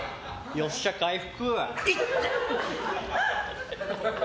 よっしゃ、回復。